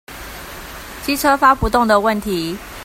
機車發不動的問題